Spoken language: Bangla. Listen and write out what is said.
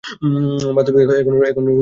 বাস্তবিক এখনও এরূপ অনেক লোক আছেন।